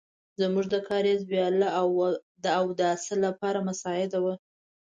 زموږ د کاریز وياله د اوداسه لپاره مساعده وه.